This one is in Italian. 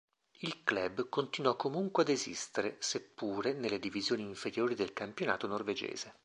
Il club continuò comunque ad esistere, seppure nelle divisioni inferiori del campionato norvegese.